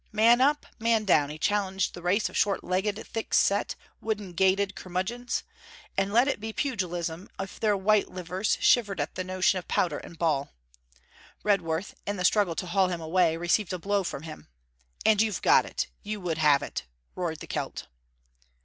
Man up, man down, he challenged the race of short legged, thickset, wooden gated curmudgeons: and let it be pugilism if their white livers shivered at the notion of powder and ball. Redworth, in the struggle to haul him away, received a blow from him. 'And you've got it! you would have it!' roared the Celt.